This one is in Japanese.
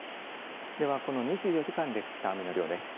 ではこの２４時間で降った雨の量です。